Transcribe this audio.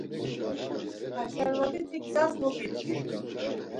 Ham şarvaliti gzas mobidvi.